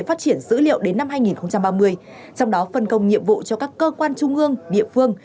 phát triển dữ liệu đến năm hai nghìn ba mươi trong đó phân công nhiệm vụ cho các cơ quan trung ương địa phương